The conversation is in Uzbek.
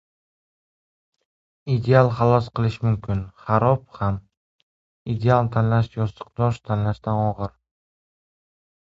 Ideal xalos qilishi mumkin, xarob ham. Ideal tanlash yostiqdosh tanlashdan og‘ir.